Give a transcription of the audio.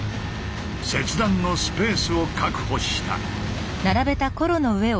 切断のスペースを確保した。